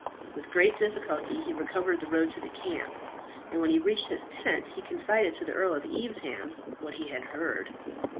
With great difficulty he recovered the road to the camp, and when he reached his tent he confided to the Earl of Evesham what he had heard.